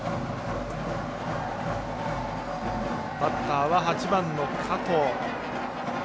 バッターは８番の加藤。